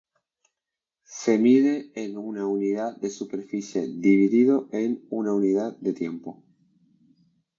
Se mide en una unidad de superficie dividido en una unidad de tiempo.